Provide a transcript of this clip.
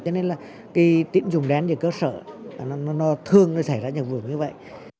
cho nên là cái tín dụng đen thì cơ sở nó thương nó xảy ra như vậy